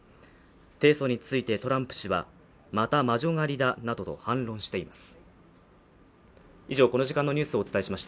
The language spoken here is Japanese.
提訴についてトランプ氏はまた魔女狩りだなどと反論しています。